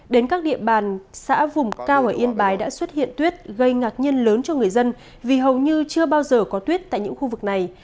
đến các địa bàn xã vùng cao ở yên bái đã xuất hiện tuyết gây ngạc nhiên lớn cho người dân vì hầu như chưa bao giờ có tuyết tại những khu vực này